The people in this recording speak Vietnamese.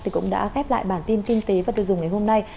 thì cũng đã khép lại bản tin kinh tế và tiêu dùng ngày hôm nay